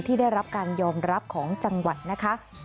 ที่ได้รับการยอมรับของจังหวัดนะคะ